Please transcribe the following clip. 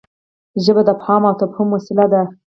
ژبه د افهام او تفهيم وسیله ده.